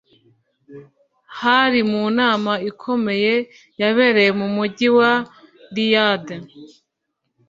Hari mu nama ikomeye yabereye mu mujyi wa Riyadh